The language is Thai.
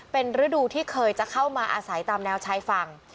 เป็นฤดูที่เคยจะเข้ามาอาศัยตามแนวชายฝั่ง